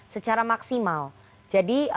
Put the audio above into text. secara maksimal jadi